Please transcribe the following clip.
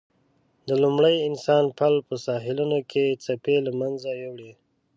د لومړي انسان پل په ساحلونو کې څپې له منځه یووړ.